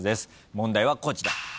問題はこちら。